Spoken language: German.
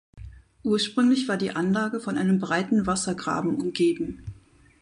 Ursprünglich war die Anlage von einem breiten Wassergraben umgeben.